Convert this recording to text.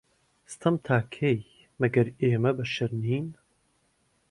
ستەم تا کەی، مەگەر ئێمە بەشەر نین